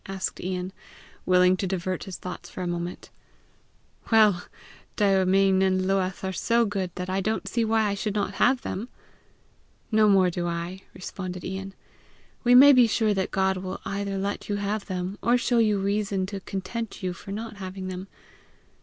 asked Ian, willing to divert his thoughts for a moment. "Well! Daoimean and Luath are so good that I don't see why I should not have them!" "No more do I!" responded Ian. "We may be sure God will either let you have them, or show you reason to content you for not having them.